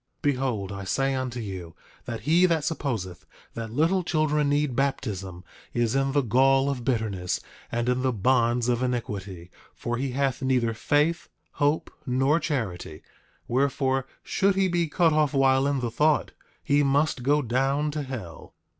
8:14 Behold I say unto you, that he that supposeth that little children need baptism is in the gall of bitterness and in the bonds of iniquity, for he hath neither faith, hope, nor charity; wherefore, should he be cut off while in the thought, he must go down to hell.